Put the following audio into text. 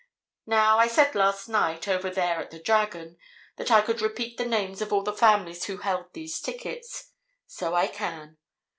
Now, I said last night, over there at the 'Dragon,' that I could repeat the names of all the families who held these tickets. So I can.